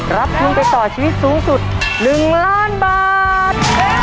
รับทุนไปต่อชีวิตสูงสุด๑ล้านบาท